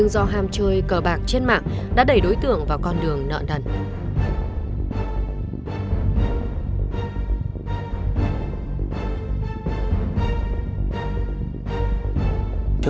nó quyết định là đối tượng có thể diễn ra